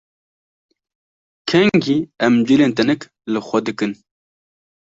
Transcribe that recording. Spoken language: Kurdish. Kengî em cilên tenik li xwe dikin?